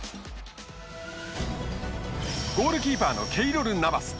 ゴールキーパーのケイロル・ナバス。